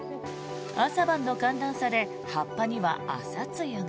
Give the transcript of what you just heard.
朝晩の寒暖差で葉っぱには朝露が。